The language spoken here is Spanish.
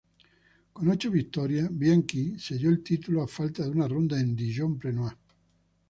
Con ocho victorias, Bianchi selló el título a falta de una ronda, en Dijon-Prenois.